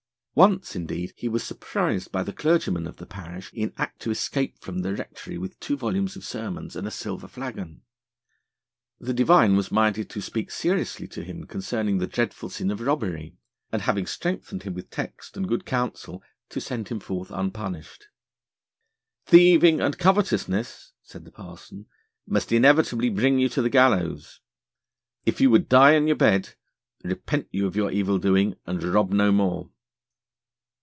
Once, indeed, he was surprised by the clergyman of the parish in act to escape from the rectory with two volumes of sermons and a silver flagon. The divine was minded to speak seriously to him concerning the dreadful sin of robbery, and having strengthened him with texts and good counsel, to send him forth unpunished. 'Thieving and covetousness,' said the parson, 'must inevitably bring you to the gallows. If you would die in your bed, repent you of your evildoing, and rob no more.'